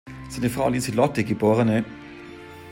Seine Frau Lieselotte geb.